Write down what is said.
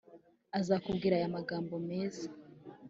Azakubwir’ aya magambo meza